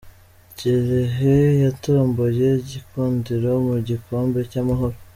Kirehe yatomboye gikundiro mugikombe cy’amahoro